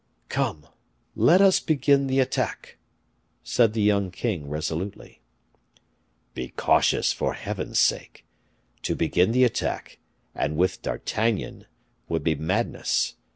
"Come, let us begin the attack," said the young king resolutely. "Be cautious for Heaven's sake. To begin the attack, and with D'Artagnan, would be madness.